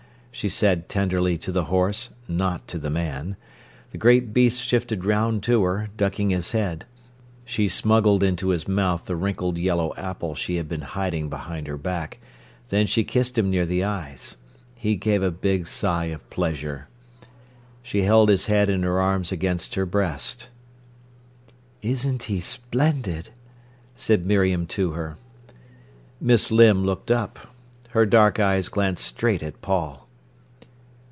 she said tenderly to the horse, not to the man. The great beast shifted round to her, ducking his head. She smuggled into his mouth the wrinkled yellow apple she had been hiding behind her back, then she kissed him near the eyes. He gave a big sigh of pleasure. She held his head in her arms against her breast. "Isn't he splendid!" said Miriam to her. Miss Limb looked up. Her dark eyes glanced straight at Paul.